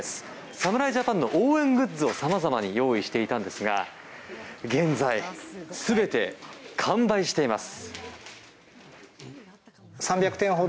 侍ジャパンの応援グッズをさまざまに用意していたそうなんですが現在、全て完売しています。